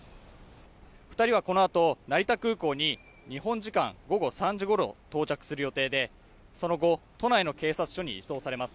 二人はこのあと成田空港に日本時間午後３時ごろ到着する予定でその後都内の警察署に移送されます